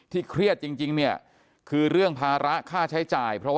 เครียดจริงเนี่ยคือเรื่องภาระค่าใช้จ่าย